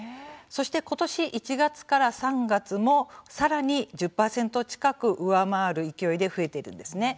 そしてことし１月から３月もさらに１０％近く上回る勢いで増えているんですね。